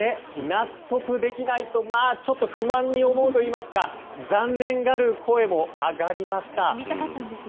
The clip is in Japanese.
納得できないとちょっと不満に思うというか残念がる声も上がりました。